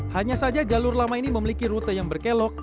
hanya saja jalur lama ini memiliki rute yang berkelok